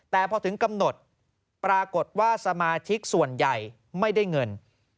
แต่พอถึงกำหนดปรากฏว่าสมาชิกส่วนใหญ่ไม่ได้เงิน